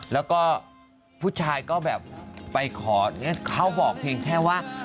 แล้วก็ผู้ชายก็แบบไปขอเขาบอกเพียงแค่ว่า